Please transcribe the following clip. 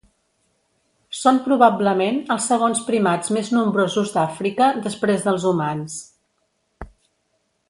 Són probablement els segons primats més nombrosos d'Àfrica, després dels humans.